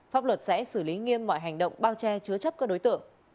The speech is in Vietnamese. pháp luật sẽ xử lý nghiêm mọi hành động bao che chứa chấp các đối tượng